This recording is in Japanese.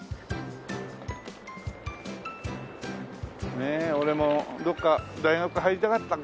ねえ俺もどっか大学入りたかったんだけどね。